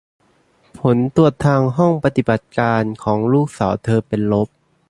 ผลตรวจทางห้องปฏิบัติการของลูกสาวเธอเป็นลบ